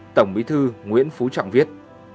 tổng bí thư nguyễn phú trọng viết